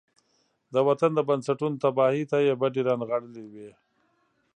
د وطن د بنسټونو تباهۍ ته يې بډې را نغاړلې وي.